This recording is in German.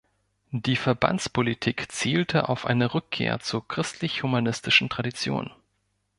Die Verbandspolitik zielte auf eine Rückkehr zur christlich-humanistischen Tradition.